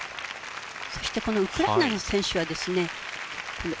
そしてこのウクライナの選手はですね